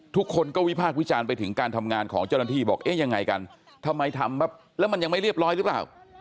ทุกคนก็วิพากษ์วิจารณ์ไปถึงการทำงานของเจ้าหน้าที่บอกเอ๊ะยังไงกันทำไมทำแบบแล้วมันยังไม่เรียบร้อยหรือเปล่า